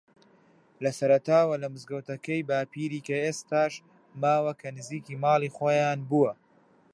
لە سەرەتاوە لە مزگەوتەکەی باپیری کە ئێستاش ماوە کە نزیک ماڵی خۆیان بووە